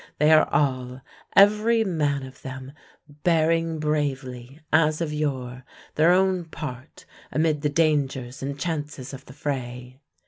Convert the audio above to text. They are all, every man of them, bearing bravely, as of yore, their own part amid the dangers and chances of the fray.